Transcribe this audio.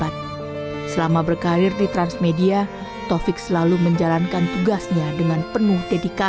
taufik iman syah